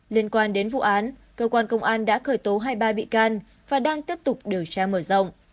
liên quan đến vụ án cơ quan công an đã khởi tố hai mươi ba bị can và đang tiếp tục điều tra mở rộng